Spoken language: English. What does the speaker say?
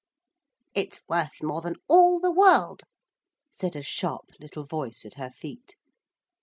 'It's worth more than all the world,' said a sharp little voice at her feet.